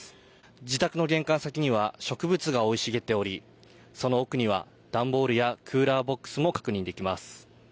自宅の玄関先には植物が生い茂っており、その奥には段ボールやクーラーボックスも確認できます。